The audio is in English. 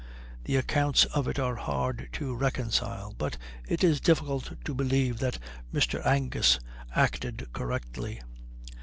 The accounts of it are hard to reconcile, but it is difficult to believe that Mr. Angus acted correctly.